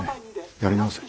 やり直せ。